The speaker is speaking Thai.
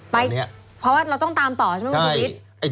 ไปเพราะว่าเราต้องตามต่อใช่ไหมครับชูวิทธ์